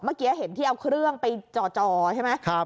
เมื่อกี้เห็นที่เอาเครื่องไปจ่อใช่ไหม